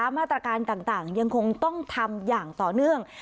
มาตรการต่างยังคงต้องทำอย่างต่อเนื่อง